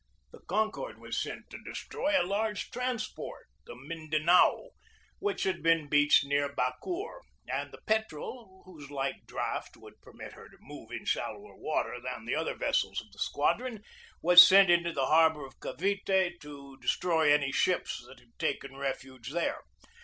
The Concord was sent to destroy a large transport, 222 GEORGE DEWEY the Mindanao, which had been beached near Bacoor, and the Petrel, whose light draught would permit her to move in shallower water than the other ves sels of the squadron, was sent into the harbor of Cavite to destroy any ships that had taken refuge there.